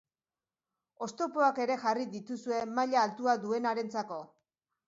Oztopoak ere jarri dituzue, maila altua duenarentzako.